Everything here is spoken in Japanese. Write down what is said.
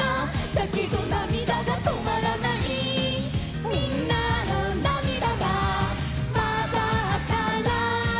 「だけどなみだがとまらない」「みんなのなみだがまざったら」